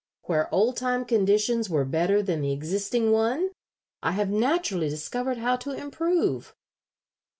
Where old time conditions were better than the existing one I have naturally discovered how to improve.